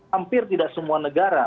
hampir tidak semua negara